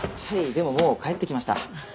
でももう帰ってきました。